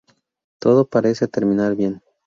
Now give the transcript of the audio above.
Todo parece terminar bien.